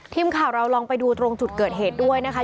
ทีมข่าวเราลองไปดูตรงจุดเกิดเหตุด้วยนะคะ